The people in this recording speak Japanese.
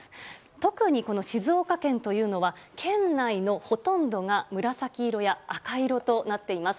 特に静岡県というのは県内のほとんどが紫色や赤色となっています。